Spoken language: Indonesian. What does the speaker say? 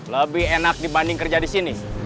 lebih enak dibanding kerja di sini